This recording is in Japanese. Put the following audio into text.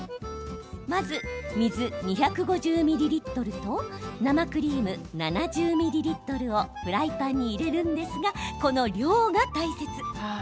まず、水２５０ミリリットルと生クリーム７０ミリリットルをフライパンに入れるんですがこの量が大切。